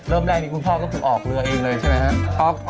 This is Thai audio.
เริ่มแรกมีคุณพ่อก็ออกเรือเองเลยใช่มั้ยฮะ